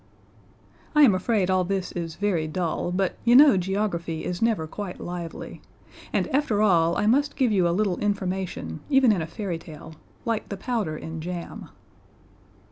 I am afraid all this is very dull, but you know geography is never quite lively, and after all, I must give you a little information even in a fairy tale like the powder in jam.